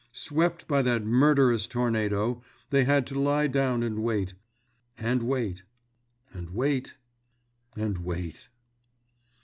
Swept by that murderous tornado, they had to lie down and wait. And wait. And wait. And wait....